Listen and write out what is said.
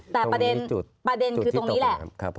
แต่ประเด็นคือตรงนี้แหละ